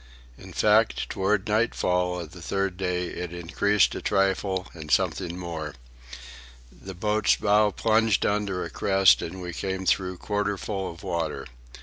In fact, toward nightfall of the third day it increased a trifle and something more. The boat's bow plunged under a crest, and we came through quarter full of water.